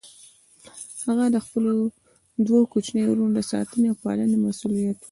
هغه د خپلو دوه کوچنيو وروڼو د ساتنې او پالنې مسئوليت و.